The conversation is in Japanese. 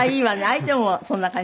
相手もそんな感じ？